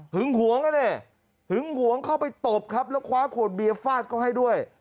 หึงหวงแล้วเนี่ยหึงหวงเข้าไปตบครับแล้วคว้าขวดเบียร์ฟาดก็ให้ด้วย